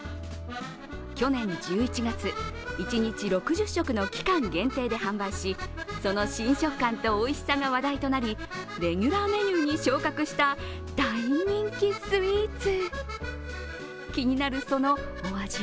去年１１月、一日６０食の期間限定で販売しその新食感とおいしさが話題とありレギュラーメニューに昇格した大人気スイーツ。